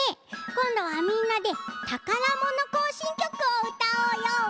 こんどはみんなで「たからもの行進曲」をうたおうよ。